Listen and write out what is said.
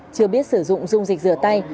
chưa biết sử dụng dung dịch rửa tay